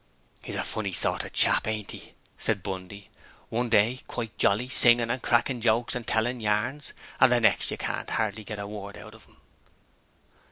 'He's a funny sort of chap, ain't he?' said Bundy. 'One day quite jolly, singing and cracking jokes and tellin' yarns, and the next you can't hardly get a word out of 'im.'